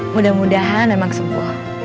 mudah mudahan emang sembuh